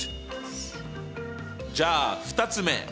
じゃあ２つ目。